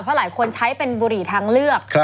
เพราะหลายคนใช้เป็นบุหรี่ทางเลือก